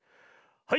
はい。